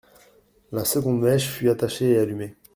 La seconde mèche, fut attachée et allumée.